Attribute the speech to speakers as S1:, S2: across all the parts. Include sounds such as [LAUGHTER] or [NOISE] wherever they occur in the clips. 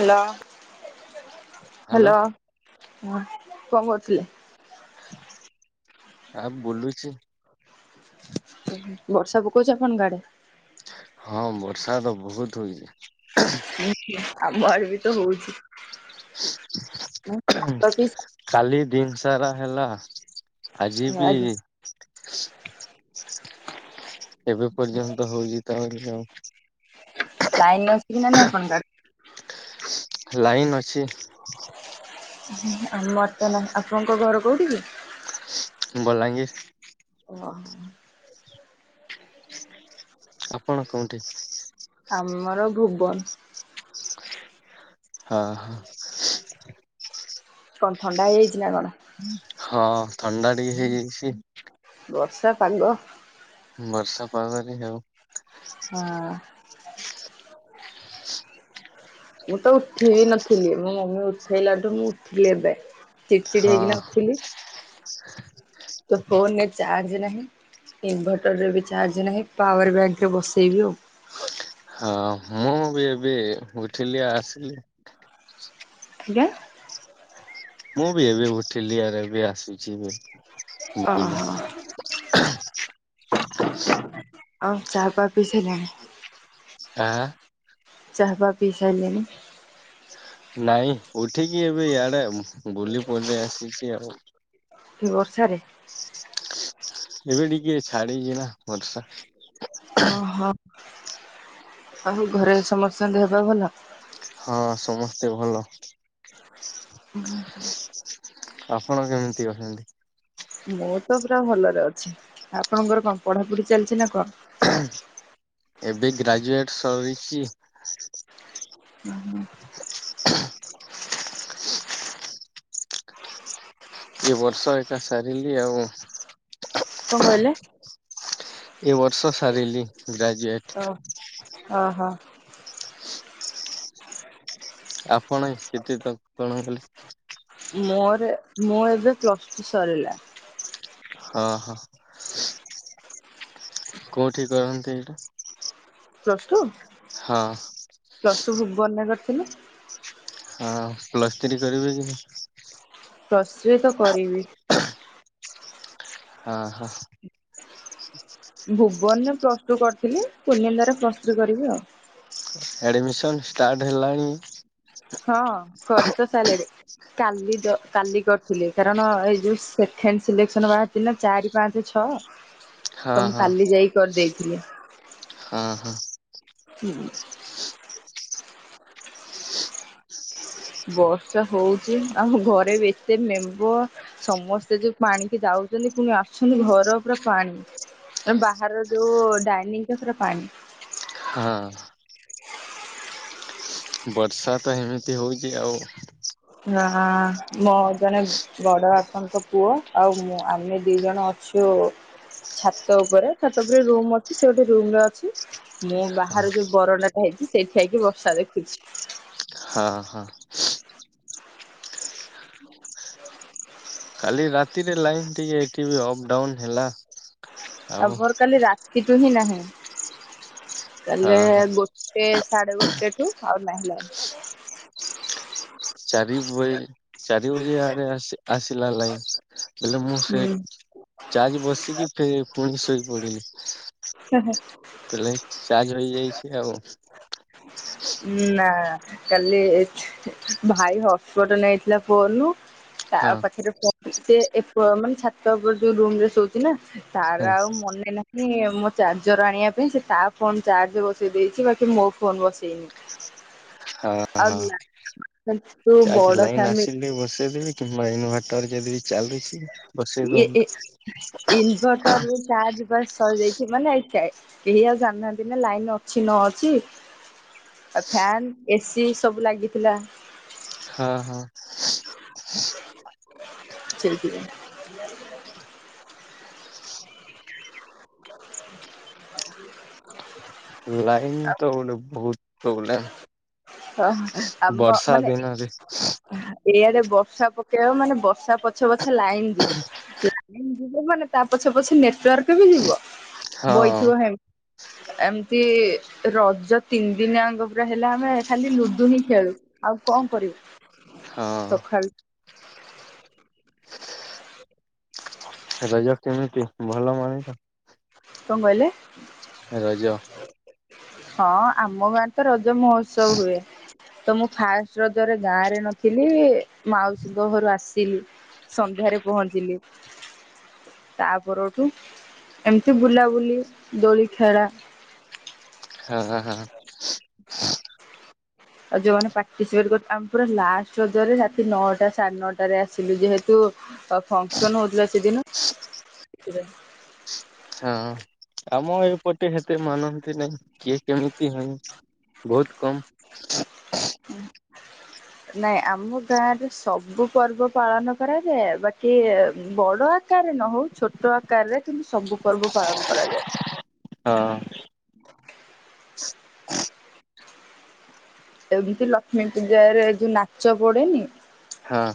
S1: Hello
S2: hello
S1: hello ହଁ କଣ କରୁଥିଲେ?
S2: ଆମ୍ ବୋଲୁଛି।
S1: ବର୍ଷା ପକଉଛି ଆପଣଙ୍କ ଗାଡେ?
S2: ହଁ ବର୍ଷା ତ ବହୁତୁ ହୋଉଛି।
S1: ଆମ ଆଡେ ବି ତ ହୋଉଚି।
S2: କାଲି ଦିନି ସାରା ହେଲା ଆଜି ବି ଏବେ ପର୍ଯ୍ୟନ୍ତ ହୋଉଚି ତ ଆହୁରି ଆଉ।
S1: ଲାଇନ୍ ଅଛି କି ନା ନାହିଁ ଆପଣଙ୍କ ଆଡ଼େ?
S2: ଲାଇନ୍ ଅଛି।
S1: ଆମରତନାହିଁ ଆପଣଙ୍କ ଘର କୋଉଠି କି?
S2: ବଲାଙ୍ଗିରି।
S1: ଓ।
S2: ଆପଣ କୋଉଠି?
S1: ଆମର ଭୁବନ।
S2: ଆ ହଁ।
S1: କଣ ଥଣ୍ଡା ହେଇଯାଇଛି ନା କଣ?
S2: ହଁ ଥଣ୍ଡା ଟିକେ ହେଇଯାଇଛି।
S1: ବର୍ଷା ପାଗ।
S2: ବର୍ଷା ପର୍ଷା ପଡିଲାଣି ହେଉ।
S1: ହଁ। ମୁଁ ତ ଉଠିିବି ନଥିଲି ମୋ ମମି ଉଠେଇଲାଠୁ ମୁଁ ଉଠଥିଲି ଏବେ। ଚିଡ଼ ଚିଡି
S2: ହଁ
S1: ହେଇକିନା ଉଠିଲି। ତୋ ଫୋନରେ ଚାର୍ଜ ନାହିଁ? ଇନଭର୍ଟରରେ ବି ଚାର୍ଜ ନାହିଁ ପାୱାର ବ୍ୟାଙ୍କରେ ବସେଇବି ଆଉ।
S2: ହଁ ମୁଁ ବି ଏବେ ଉଠିଲି ଆସିଲି।
S1: ଜ୍ଞା?
S2: ମୁଁ ବି ଏବେ ଉଠିଲି ରାବେ ବି ଏବେ ଆସୁଛି। ବୋଲି
S1: ଓହୋ। ଆଉ ଚା ପା ପି ସାଇଲଣି?
S2: ତା
S1: ଚାହା ଫା ପି ସାଇଲେଣି?
S2: ନାଇଁ ଉଠିକି ଏବେ ୟାଡେ ବୁଲି ପଡ଼ଳି ଆସିଛି ଆଉ।
S1: ଏଇ ବର୍ଷାରେ?
S2: ଏବେ ଟିକିଏ ଛାଡ଼ିଚି ନା ବର୍ଷା।
S1: ଓହୋ ଆଉ ଘରେ ସମସ୍ତଙ୍କ ଦେହ ପା ଭଲ?
S2: ହଁ ସମସ୍ତେ ଭଲ। ଆପଣ କେମିତି ଅଛନ୍ତି?
S1: ମୁଁ ତ ପୁରା ଭଲରେ ଅଛି, ଆପଣଙ୍କର କଣ ପଢାପଢି ଚାଲିଛି ନା କଣ?
S2: ଏବେ ଗ୍ରାଜୁଏଟ୍ ସରିଚି।
S1: ହୁଁ-ହୁଁ।
S2: ଏ ବର୍ଷ ଏଇଟା ସାରିଲି ଆଉ।
S1: କଣ କହିଲେ?
S2: ଏ ବର୍ଷ ସାରଲି।
S1: ଓ ଓହୋ।
S2: ଆପଣ କେତେ [UNINTELLIGIBLE] କଣ କଲେ
S1: ମୋର ମୁଁ ଏବେ ପ୍ଲସ୍ ଟୁ ସରିଲା।
S2: ହଁ-ହଁ। କୋଉଠି କରନ୍ତି ଏଇଟା?
S1: Plus two?
S2: ହଁ।
S1: ପ୍ଲସ ଟୁ ଭୁବନ ରେ କରିଥିଲି।
S2: ହଁ ପ୍ଲସ୍ ଥ୍ରୀ କରିବେ କି ନାଇଁ?
S1: ପ୍ଲସ ଥ୍ରି ତ କରିବି।
S2: ଅ ହ।
S1: ଭୁବନରେ ପ୍ଲସ ଟୁ କରିଥିଲି କୁନିନ୍ଦାରେ ପ୍ଲସ ଥ୍ରୀ କରିବି ଆଉ।
S2: ଆଡମିସନ୍ ଷ୍ଟାର୍ଟ ହେଲାଣି?
S1: ହଁ କରିତ ସାରିଲେଣି। କାଲି ଜ କାଲି କରିଥିଲେ କାରଣ ଏଇ ଯୋଉ ସେଖେଣ୍ଡ ସିଲେକ୍ସନ୍ ବାହାରିଛି ନା ଚାରି ପାଞ୍ଚ ଛଅ।
S2: ହଁ
S1: ତ ମୁଁ କାଲି ଯାଇି କରିଦେଇଥିଲି।
S2: ହଁ-ହଁ।
S1: ହୁଁ। ବର୍ଷା ହଉଛି ଆମ ଘରେ ବି ଏତେ ମେମ୍ବର୍। ସମସ୍ତେ ଯୋଉ ପାଣିକି ଯାଉଛନ୍ତି ପୁଣି ଆସୁଛନ୍ତି ଘର ପୁରା ପାଣି। ଆମ ବାହାରର ଯୋଉ ଡାଇନିଂଟା ପୁରା ପାଣି।
S2: ହଁ। ବର୍ଷା ତ ହେମିତି ହଉଛି ଆଉ।
S1: ଆଁ ମୋ ଜଣେ ବଡ ବାପାଙ୍କ ପୁଅ ଆଉ ମୁଁ ଆମେ ଦି ଜଣ ଅଛୁ ଛାତ ଉପରେ ଛାତ ଉପରେ ରୁମ ଅଛି ସେ ଗୋଟେ ରୁମ ରେ ଅଛି। ମୁଁ ବାହାରୁ ଯୋଉ ବରଣ୍ଡାଟା ହେଇଛି ସେଇଠି ଠିଆ ହେଇକି ବର୍ଷା ଦେଖୁଛି।
S2: ହଁ ହଁ।
S1: ହ
S2: କାଲି ରାତିରେ ଲାଇନ ଟିକେ ଏଠିବି ଅପ ଡାଉନ ହେଲା। ଆଉ
S1: ଆମର କାଲି ରାତିଠୁ ହିଁ ନାହିଁ
S2: ହଁ
S1: କାଲି
S2: ହଁ।
S1: ଗୋ ଗୋଟେ ସାଢେ ଗୋଟେଠୁ ଆଉ ନାହିଁ ଲାଇନ।
S2: ଚାରି ବଜ ଚାରି ବଜେ ଆଡେ ଆସିଲା ଲାଇନ। ହେଲେ ମୁଁ ସେ
S1: ହୁଁ
S2: ଚାର୍ଜ ବସିକିଫେରେ ପୁଣି ଶୋଇ ପଡିଲି।
S1: ହେ ହେ।
S2: ପଲେ ଚାର୍ଜ ହେଇଯାଇଛି ଆଉ।
S1: ଉ ନା କାଲି ଭାଇ ହସ୍ପଟ ନେଇଥିଲା ଫୋନରୁ। ତା
S2: ହଁ
S1: ପାଖେରେ ପ ଏତେ ଏ ପ ମାନେ ଛାତ ଓପରେ ଯୋଉ ରୁମ ରେ ଶୋଉ ଇନା
S2: ହଁ
S1: ତାର ଆଉ ମନେ ନା ନି ଆଉ ମୋ ଚାର୍ଜର ଆଣିବା ପାଇଁ ସେ ତା ଫୋନ୍ ଚାର୍ଜ ବସେଇ ଦେଇଛି ବାକି ମୋ ଫୋନ୍ ବସେଇନି।
S2: ହଁ
S1: ଆଉ
S2: ହଁ
S1: ଲା ତୁ
S2: ଚାର୍ଜ
S1: ବଡ
S2: ଲାଇନ୍
S1: ଫ୍ୟାମିଲି
S2: ଆସିଲେ ବସେଇଦେବେ। ମୋ ଇନଭଟର ଯେଦି ଚାଲୁଚି
S1: ଏ ଏ ଇନଭଟର୍ ଚାର୍ଜ ବା ସରିଯାଇଛି ମାନେ ଏଇ କା କେହି ଆଉ ଜାଣିନାହାନ୍ତି ନା ଲାଇନ ଅଛି ନ ଅଛି। ଆଉ ଫ୍ୟନ୍ ଏ ସି ସବୁ ଲାଗିଥିଲା।
S2: ହଁ ହଁ।
S1: ଇଆ [INAUDIBLE]
S2: ଲାଇନ୍ ତ ହଉନି ବହୁତ ପ୍ରୋବ୍ଲେମ୍।
S1: ହ ଆମ
S2: ବର୍ଷା
S1: ମାନେ
S2: ଦିନରେ
S1: ଏଇଆଡ଼େ ବର୍ଷା ପକେଇବ ମାନେ ବର୍ଷା ପଛେ ପଛେ ଲାଇନ୍ ଯିବ। ଲାଇନ୍ ଯିବ ମାନେ ତା ପଛେ ପଛେ ନେଟୱାର୍କ ବି ଯିବ
S2: ହଁ
S1: ବହିଥିବ ହେମ୍ ଏମତି ରଜ ତିନି ଦିନି ଆଙ୍କ ପୁରା ହେଲା ଆମେ ଖାଲି ଲୁଡୁ ହିଁ ଖେଳୁ ଆଉ କଁ କରିବୁ
S2: ହଁ
S1: ସଖାଳୁ?
S2: ରଜ କେମିତି ଭଲ ମଣିଲ?
S1: କଁ କହିଲେ?
S2: ରଜ।
S1: ହଁ ଆମ ଗାଁରେ ତ ରଜ ମହୋତ୍ସବ ହୁଏ। ତ ମୁଁ ଫାଷ୍ଟ ରଜରେ ଗାଁରେ ନଥିଲି ମାଉସୀଙ୍କ ଘରୁ ଆସିଲି। ସନ୍ଧ୍ୟାରେ ପହଞ୍ଚିଲି। ତା ପରଠୁ ଏମତି ବୁଲାବୁଲି ଦୋଳି ଖେଳା।
S2: ହଁ ହଁ ହଁ।
S1: ହ ଆଉ ଯୋଉମାନେ ପାର୍ଟିସିପେଟ୍ କର ଆମେ ପୁରା ଲାଷ୍ଟ ରଜରେ ରାତି ନଅଟା ସାଢ଼େ ନଅଟାରେ ଆସିଲୁ ଯେହେତୁ ଆ ଫଙ୍କସନ୍ ହଉଥୁଲା ସେଦିନ ସେଥିପାଇଁ।
S2: ହଁ ଆମ ଏପଟେ ହେତେ ମାନନ୍ତି ନାଇଁ କିଏ କେମିତି ହେମ୍ ବହୁତ କମ୍।
S1: ଓ। ନାଇଁ ଆମ ଗାଁରେ ସବୁ ପର୍ବ ପାଳନ କରାଯାଏ ବାକି ବଡ଼ ଆ କାରରେ ନ ହଉ ଛୋଟ ଆକାରରେ କିନ୍ତୁ ସବୁ ପର୍ବ ପାଳନ କରାଯାଏ।
S2: ହଁ।
S1: [INAUDIBLE] ଏମିତି ଲକ୍ଷ୍ମୀ ପୂଜାରେ ଯୋଉ ନାଚ ପଡେନି?
S2: ହଁ।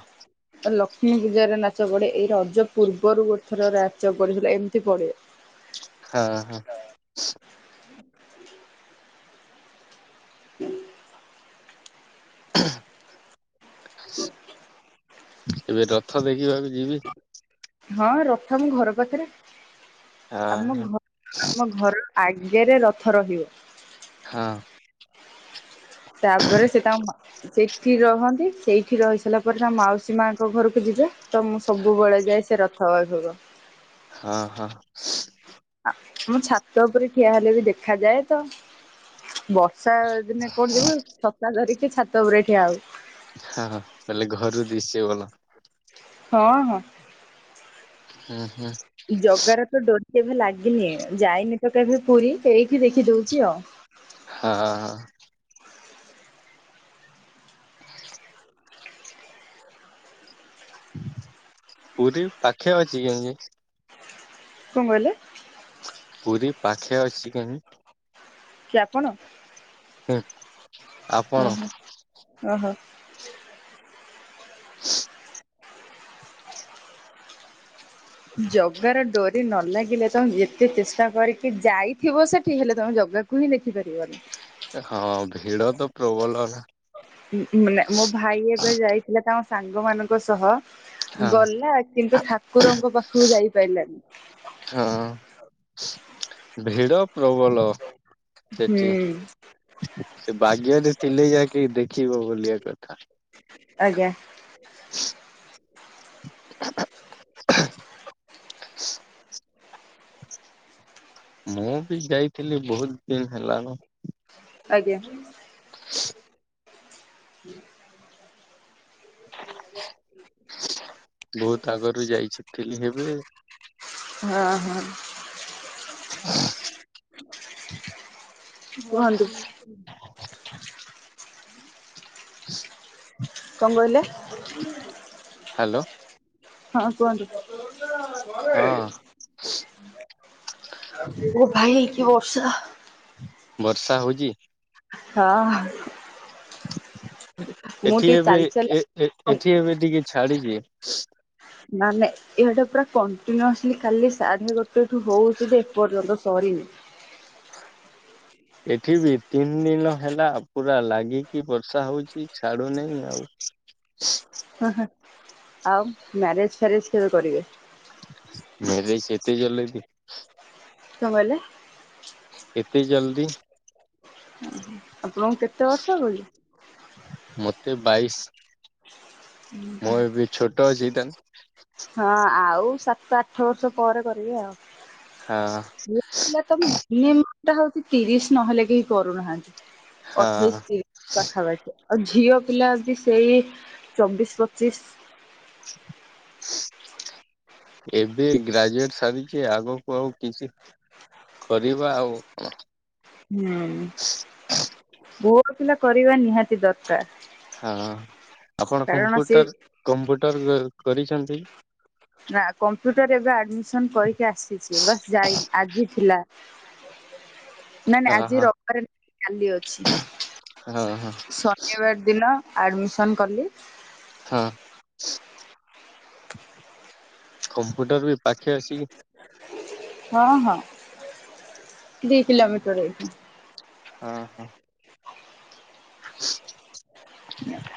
S1: ହଁ ଏ ଲକ୍ଷ୍ମୀ ପୂଜାରେ ନାଚ ପଡ଼େ ଏଇ ରଜ ପୂର୍ବରୁ ଗୋଟେ ଥର ନାଚ କରିଥିଲା ଏମିତି ପଡ଼େ।
S2: ହଁ ହଁ।
S1: ହୁଁ ହୁଁ
S2: ଏବେ ରଥ ଦେଖିବାକୁ ଯିବି।
S1: ହଁ ରଥ ଆମ ଘର ପାଖରେ।
S2: ହଁ
S1: ଆମ
S2: ହଁ
S1: ଘ ଆମ ଘର ଆଗେରେ ରଥ ରହିବ।
S2: ହଁ
S1: ତାପରେ ସେ ତାଙ୍କ ମା ସେଠି ରହନ୍ତି ସେଇଠି ରହି ସାରିଲା ପରେ ତା ମାଉସୀ ମାଙ୍କ ଘରକୁ ଯିବେ। ତ ମୁଁ ସବୁବେଳେ ଯାଏ ସେ ରଥ [UNINTELLIGIBLE]
S2: ହଁ ହଁ।
S1: ମୁ ଛାତ ଉପରେ ଠିଆ ହେଲେ ବି ଦେଖାଯାଏ ତ ବ ର୍ଷା ଦିନେ କୋଡ଼ ଯିବୁ ଛତା ଧରିକି ଛାତ ଉପରେ ଠିଆ ହଉ।
S2: ହଁଁ ବୋଇଲେ ଘରୁ ଦିସେ ଭଲ।
S1: ହଁ ହଁ।
S2: ହୁଁ ହୁଁ।
S1: ଜଗାରେ ତ ଡୋରି କେଭେ ଲାଗିନି ଯାଇନି ତ କେଭେ ପୁରୀ ଏଇଠି ଦେଖି ଦଉଚି ଆଉ।
S2: ହଁ। ପୁରୀ ପାଖେ ଅଛି [UNINTELLIGIBLE]
S1: କଣ କହିଲେ?
S2: ପୁରୀ ପାଖେଆ ଅଛି କେହିଁ?
S1: କିଏ ଆପଣ?
S2: ହୁଁ।
S1: ଓ ହୋ ଓହୋ।
S2: ହଁ।
S1: ଜଗାର ଡରି ନ ଲାଗିଲେ ତମେ ଯେତେ ଚେଷ୍ଟା କରିକି ଯାଇଥିବ ସେଠି ହେଲେ ତମେ ଜଗା କୁ ହିଁ ଦେଖିପାରିବନି।
S2: ହଁ ଭିଡ ତ ପ୍ରବଲ ନା।
S1: ମାନେ ମୋ ଭାଇ ଏବେ ଯାଇଥିଲା ତାଙ୍କ ସାଙ୍ଗ ମାନଙ୍କ ସହ
S2: ହଁ
S1: ଗଲା କିନ୍ତୁ ଠାକୁରଙ୍କ ପାଖକୁ ଯାଇପାରିଲାନି।
S2: ହଁ। ଭିଡ ପ୍ରବଳ
S1: ହୁଁ
S2: ସେଠି। ସେ ବାଗ୍ୟରେ ଥିଲେ ଯାଇକି ଦେଖିବ ବୋଲିଆ କଥା।
S1: ଆଜ୍ଞା।
S2: [INAUDIBLE] [INAUDIBLE] ମୁଁ ବି ଯାଇଥିଲି ବହୁତ ଦିନ ହେଲାନା।
S1: ଆଜ୍ଞା।
S2: ହ
S1: ହୁଁ ହ
S2: ବହୁତ ଆଗରୁ ଯାଇଚି ଥିଲି ହେବେ।
S1: ହଁ ହଁ। କୁହନ୍ତୁ?
S2: ହ
S1: କଣ କହିଲେ?
S2: ହ୍ୟାଲୋ
S1: ହଁ କୁହନ୍ତୁ।
S2: ହଁ।
S1: ଓ ଭାଇ କି ବର୍ଷା।
S2: ବର୍ଷା ହଉଚି?
S1: ହଁ। ମୁଁ
S2: ଏଠି
S1: ଟିକେ
S2: ଏବେ
S1: ଚାଲି ଚାଲି
S2: ଏଠି ଏବେ ଟିକେ ଛାଡିଚି।
S1: ମାନେ ଇଆଡେ ପୁରା କଣ୍ଟିନ୍ୟୁସଲି କାଲି ସାଢ଼େ ଗୋଟେଠୁ ହଉଛି ଯେ ଏପର୍ଯ୍ୟନ୍ତ ସରିନି। [INAUDIBLE]
S2: ଏଠି ବି ତିନି ଦିନ ହେଲା ପୁରା ଲାଗିକି ବର୍ଷା ହଉଛି ଛାଡୁନହିଁ ଆଉ।
S1: ଆଉ ମ୍ୟାରେଜ ଫ୍ୟାରେଜ କେବେ କରିବେ?
S2: ମାର୍ରିଜେ ଏତେ ଜଲେ କି।
S1: କଣ କହିଲେ?
S2: ଏତେ ଜଲଦି।
S1: ଆପଣଙ୍କୁ କେତେ ବର୍ଷ ହବକି?
S2: ମତେ ବାଇଶ। ମୁଁ ଏ ବି ଛୋଟ ଅଛି ଏଇଟା
S1: ହଁ ଆଉ ସାତ ଆଠ ବର୍ଷ ପରେ କରିବେ।
S2: ହଁ।
S1: ତମ [UNINTELLIGIBLE] ଟା ହଉଛି ତିରିଶ ନହେଲେ କେହି କରୁନାହାନ୍ତି ଅଠେଇଶ
S2: ହଁ
S1: ତି ପାଖାପାଖି ଆଉ ଝିଅ ପିଲା ବି ସେଇ ଚବିଶ ପଚିଶ [INAUDIBLE]
S2: ଏବେ ଗ୍ରାଜୁଏଟ ସାରିଛି ଆଗକୁ ଆଉ କିଛି କରିବା ଆଉ କ।
S1: ହୁଁ। ପୁଅ ପିଲା କରିବା ନିହାତି ଦରକାର।
S2: ହଁ ଆପଣ
S1: କାରଣ ସେ
S2: କମ୍ପୁଟର କମ୍ପୁଟର କରିଛନ୍ତି।
S1: ନା କମ୍ପ୍ୟୁଟର ଏବେ ଆଡମିସନ କରିକି ଆସିଛି ବସ୍ ଯାଇନି ଆଜି ଥିଲା। [INAUDIBLE] ନା ନା
S2: ହଁ
S1: ଆଜି
S2: ହଁ
S1: ରବାରେ କାଲି ଅଛି
S2: ହଁ ହଁ
S1: ଶନିବାର ଦିନ ଆଡ଼ମିସନ୍ କଲି।
S2: ହଁ। କମ୍ପ୍ୟୁଟର ବି ପାଖେ ଆସିକି
S1: ହଁ ହଁ ଦି କିଲୋମିଟର ଏଇଠୁ।
S2: ହଁ ହଁ। [INAUDIBLE]
S1: [INAUDIBLE]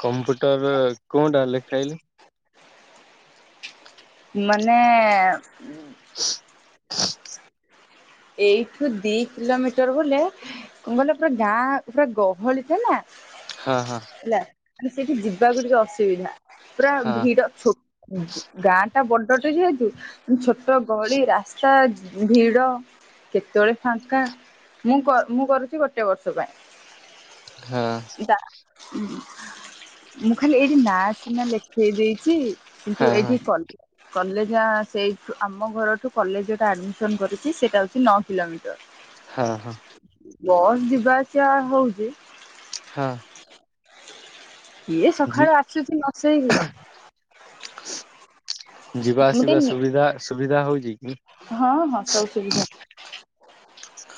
S2: କମ୍ପ୍ୟୁଟର କଉଟା ଲେଖାଇଲେ?
S1: ମାନେ
S2: [INAUDIBLE]
S1: ଏଇଠୁ ଦି କିଲୋମିଟର ବୋଲେ କଣ କହିଲ ପୁରା ଗାଁ ପୁରା ଗହଳି ଟା ନା।
S2: ହଁ ହଁ।
S1: ହେଲା ସେଇଠି ଯିବାକୁ ଟିକେ ଅସୁବିଧା ପୁରା
S2: ହଁ
S1: ଭିଡ ଛୋ ଗାଁ ଟା ବଡଟେ ଯେହେତୁ ଛୋଟ ଗଳି ରାସ୍ତା ଭିଡ଼। କେତେବେଳେ ଫାଙ୍କା ମୁଁ କ ମୁଁ କରୁଛି ଗୋଟେ ବର୍ଷ ପାଇଁ।
S2: ହଁ।
S1: ମୁଁ ଖାଲି ଏଇଠି ନାଁ ସିନା ଲେଖେଇ ଦେଇଛି। କିନ୍ତୁ
S2: ହଁ ହଁ
S1: ଏଠି କ କଲେଜ ସେଇ ଆମ ଘରଠୁ କଲେଜଟା ଆଡମିସନ କରିଛି ସେଟା ନଅ କିଲୋମିଟର।
S2: ହ, ହଁ।
S1: ବସ୍ ଯିବା ଆସିବା ହଉଚି।
S2: ହଁ।
S1: କିଏ
S2: ଯି
S1: ସଖାଳୁ ଆସୁଛି ନ ଶୋଇକି?
S2: ଯିବା
S1: ମୁଁ ଟିକେ
S2: ଆସିବା
S1: ନି
S2: ସୁବିଧା, ସୁବିଧା ହଉଚି!
S1: ହଁ, ହଁ, ସବୁ ସୁବିଧା।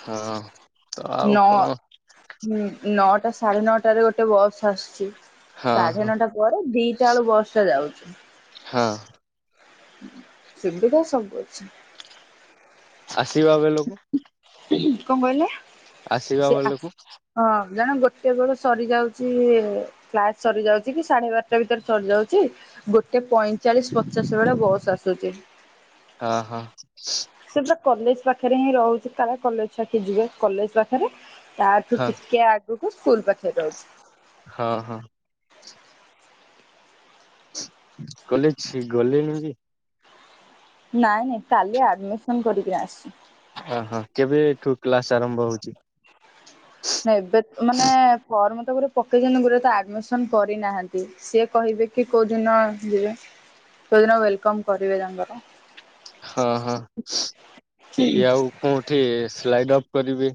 S2: ହଁ। ତ ଆଉ
S1: ନଅ,
S2: କଣ
S1: ନଅଟା ସାଢେ ନଅଟାରେ ଗୋଟେ ବସ୍ ଆସୁଛି।
S2: ହଁ
S1: ସାଢେ
S2: ହଁ
S1: ନଅଟା ପରେ ଦିଟା ଅଳୁ ବସ୍ ଟା ଯାଉଛି।
S2: ହଁ।
S1: ସୁବିଧା ସବୁ ଅଛି।
S2: ଯିବା ବେଲକୁ
S1: କଣ କହିଲେ?
S2: ଆସିବା
S1: ସେ ଆ
S2: ବଲକୁ
S1: ହଁ, ଜଣେ ଗୋଟେ ବେଳୁ ସରି ଯାଉଚି-ଇ କ୍ଲାସ୍ ସରି ଯାଉଚି କି, ସାଢେ ବାରଟା ଭିତରେ ସରିଯାଉଚି! ଗୋଟେ ପଇଁଚାଳିଶ ପଚାଶ୍ ବେଳେ ବସ୍ ଆସୁଚି।
S2: ହଁ, ହଁ।
S1: ସେ ପରା କଲେଜ ପାଖରେ ହିଁ ରହୁଛି। ତାର କଲେଜ ଛାକି ଯିବେ କଲେଜ ପାଖେରେ। ତାର୍ ତୁ
S2: ହଁ
S1: ଟିକେ ଆଗକୁ ସ୍କୁଲ ପାଖେ ରଉଛି।
S2: ହଁ, ହଁ। କଲେଜ୍ ଛି ଗଲେଣି କି?
S1: ନାଇଁ, ନାଇଁ କାଲି ଆଡ଼୍ ମିସନ୍ କରିକିନା ଆସିଛି।
S2: ଓହୋ! କେବେ-ଏ ଠୁ କ୍ଲାସ୍ ଆରମ୍ଭ ହଉଚି?
S1: ହଁ, ଏବେ ମାନେ ଫର୍ମ ତ ଗୁରେ ପକେଇଛନ୍ତି, ଗୁରେ ତ ଆଡ୍ ମିସନ୍ କରିନାହାଁନ୍ତି। ସିଏ କହିବେ କି, କୋଉ ଦିନ ଯିବେ? କଉ ଦିନ ୱେଲ୍ କମ୍ କରିବେ ତାଙ୍କର?
S2: ହଁ, ହଁ, ଇଏ ଆଉ କୋଉଁଠି ସ୍ଲାଇଡ୍ ଅଫ୍ କରିବେ?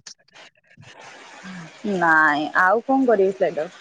S1: ନାଇଁ, ଆଉ କଣ କରିବି, ସ୍ଲାଇଡ଼ର୍?